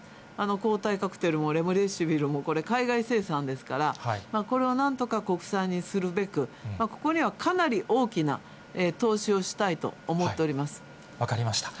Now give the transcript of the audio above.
抗体カクテルもレムデシビルもこれ、海外生産ですから、これをなんとか国産にするべく、ここにはかなり大きな投資をしたいと思っ分かりました。